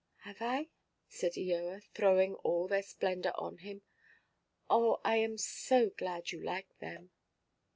"Have I?" said Eoa, throwing all their splendour on him; "oh, I am so glad you like them."